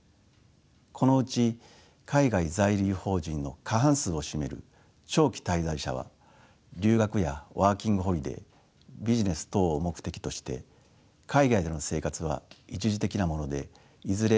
このうち海外在留邦人の過半数を占める長期滞在者は留学やワーキングホリデービジネス等を目的として海外での生活は一時的なものでいずれ